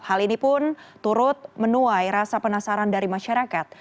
hal ini pun turut menuai rasa penasaran dari masyarakat